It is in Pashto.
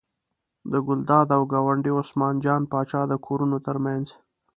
د ګلداد او ګاونډي عثمان جان پاچا د کورونو تر منځ.